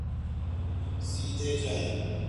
سیدھے جائیے